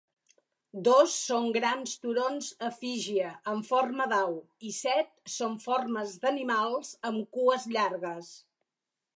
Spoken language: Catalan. Dos són grans turons-efígie amb forma d'au i set són formes d'animals amb cues llargues.